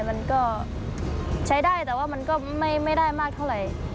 มันก็ใช้ได้แต่ว่ามันก็ไม่ได้มากเท่าไหร่